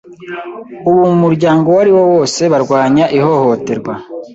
Ubu mu muryango uwo ari wo wose barwanya ihohoterwa